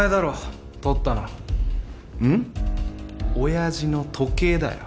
親父の時計だよ。